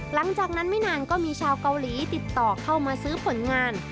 หลังจากนั้นไม่นานก็มีชาวเกาหลีติดต่อเข้ามาซื้อผลงาน